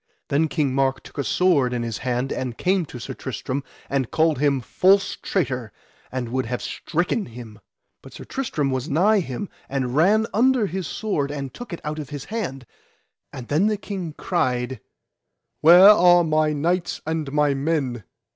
Then King Mark took a sword in his hand and came to Sir Tristram, and called him false traitor, and would have stricken him. But Sir Tristram was nigh him, and ran under his sword, and took it out of his hand. And then the King cried: Where are my knights and my men?